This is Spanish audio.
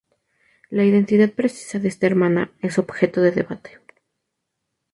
La identidad precisa de esta hermana es objeto de debate.